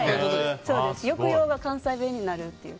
抑揚が関西弁になるというか。